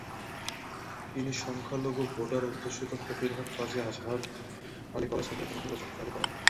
তিনি সংখ্যালঘু ভোটার-অধ্যুষিত ফকিরহাট কাজী আজহার আলী কলেজ কেন্দ্রে পুনর্নির্বাচন দাবি করেন।